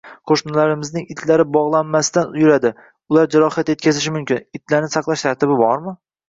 Qo’shnilarimizning itlari bog’lanmasdan yuradi, ular jarohat etkazishi mumkin. Itlarni saqlash tartibi bormi?